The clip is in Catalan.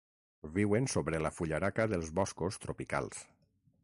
Viuen sobre la fullaraca dels boscos tropicals.